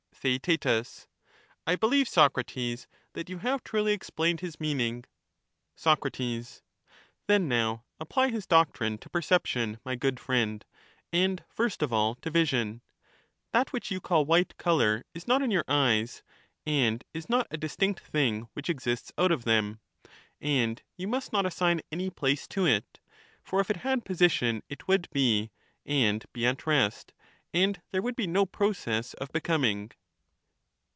Theaet, I believe, Socrates, that you have truly explained his meaning. Soc» Then now apply his doctrine to perception, my good Again, friend, and first of all to vision ; that which you call white ^^cSon colour is not in your eyes, and is not a distinct thing which passing be exists out of them. And you must not assign any place to it :^^®^ V^f for if it had position it would be, and be at rest, and there object, would be no process of becoming.